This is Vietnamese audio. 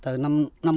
với năm nay